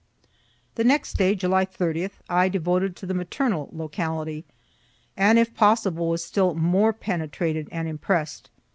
The next day, July 30, I devoted to the maternal locality, and if possible was still more penetrated and impress'd.